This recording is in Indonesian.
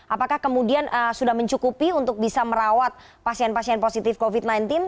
apakah kemudian sudah mencukupi untuk bisa merawat pasien pasien positif covid sembilan belas